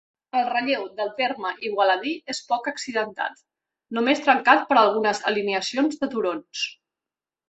El relleu del terme igualadí és poc accidentat, només trencat per algunes alineacions de turons.